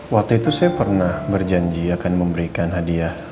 waktu itu saya pernah berjanji akan memberikan hadiah